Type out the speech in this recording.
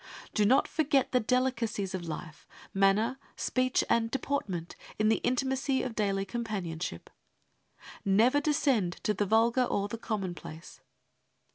Do not forget the delicacies of life, manner, speech, and deportment in the intimacy of daily companionship. Never descend to the vulgar or the commonplace.